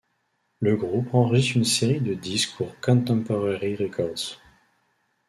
Le groupe enregistre une série de disques pour Contemporary Records.